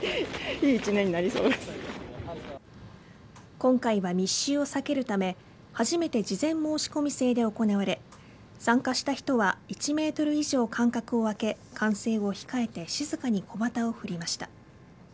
今回は密集を避けるため初めて事前申し込み制で行われ参加した人は１メートル以上間隔を空け歓声を控えて、静かに小旗を振りました。